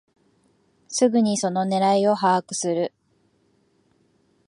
すぐにその狙いを把握する